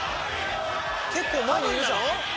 結構前にいるじゃん。